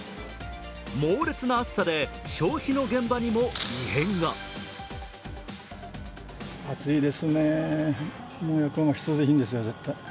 猛烈な暑さで、消費の現場にも異変が。